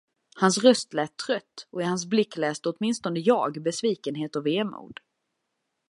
Hans röst lät trött, och i hans blick läste åtminstone jag besvikenhet och vemod.